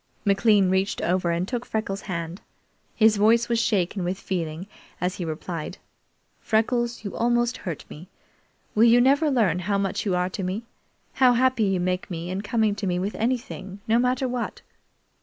McLean reached over and took Freckles' hand. His voice was shaken with feeling as he replied: "Freckles, you almost hurt me. Will you never learn how much you are to me how happy you make me in coming to me with anything, no matter what?"